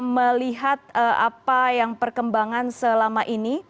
melihat apa yang perkembangan selama ini